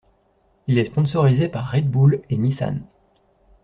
Il est sponsorisé par Red Bull et Nissan.